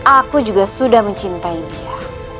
aku juga sudah mencintai dia